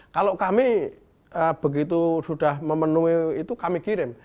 kalau kami begitu sudah memenuhi itu kami kirim